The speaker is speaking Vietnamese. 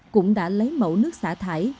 cũng đã lấy mẫu nước xã thải